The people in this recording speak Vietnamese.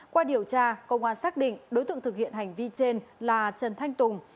qua điều tra công an xác định đối tượng thực hiện hành vi trên là trần thanh tùng